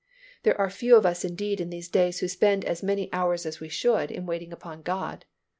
There are few of us indeed in these days who spend as many hours as we should in waiting upon God.